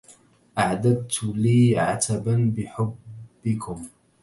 أعددت لي عتبا بحبكم